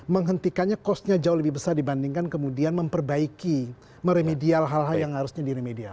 menghentikannya kosnya jauh lebih besar dibandingkan kemudian memperbaiki meremedial hal hal yang harusnya diremedial